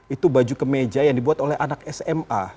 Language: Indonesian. itu baju kemeja yang dibuat oleh anak sma